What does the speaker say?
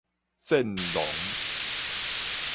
戰狼